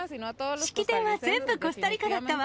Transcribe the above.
式典は全部コスタリカだったわ。